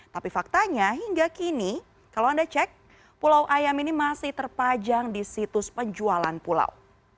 tapi faktanya hingga kini kalau anda cek pulau ayam ini masih terpajang di situs penjualan pulau